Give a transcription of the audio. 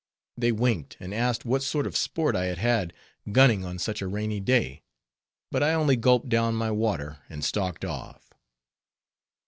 They winked, and asked what sort of sport I had had gunning on such a rainy day, but I only gulped down my water and stalked off.